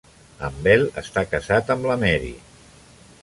En Bell està casat amb la Mary